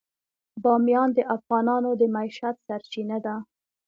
بامیان د افغانانو د معیشت سرچینه ده.